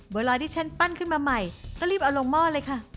เวลาที่ฉันปั้นขึ้นมาใหม่ก็รีบเอาลงหม้อเลยค่ะ